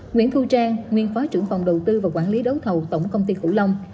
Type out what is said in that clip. nguyễn thu trang nguyên phó trưởng phòng đầu tư và quản lý đấu thầu tổng công ty cửu long